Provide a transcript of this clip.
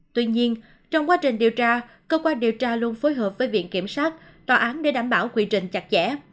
tuy nhiên trong quá trình điều tra cơ quan điều tra luôn phối hợp với viện kiểm sát tòa án để đảm bảo quy trình chặt chẽ